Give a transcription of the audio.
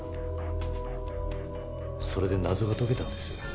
それで謎が解けたんですよ。